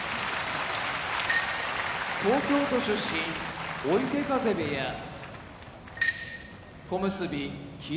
東京都出身追手風部屋小結・霧